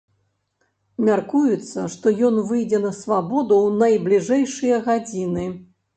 Мяркуецца, што ён выйдзе на свабоду ў найбліжэйшыя гадзіны.